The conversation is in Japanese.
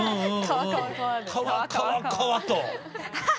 川川川と。